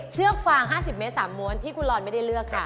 เชือกฟาง๕๐เมตร๓ม้วนที่คุณลอนไม่ได้เลือกค่ะ